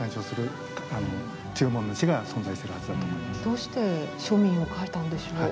どうして庶民を描いたんでしょう？